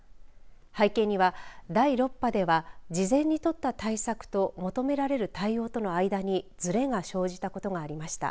背景には第６波では事前に取った対策と求められる対応との間にずれが生じたことがありました。